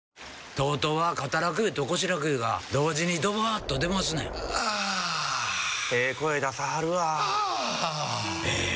ＴＯＴＯは肩楽湯と腰楽湯が同時にドバーッと出ますねんあええ声出さはるわあええ